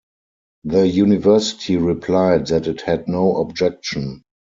The university replied that it had no objection.